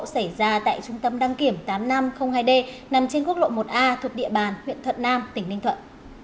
xảy ra tại trung tâm đăng kiểm tám nghìn năm trăm linh hai d nằm trên quốc lộ một a thuộc địa bàn huyện thuận nam tỉnh ninh thuận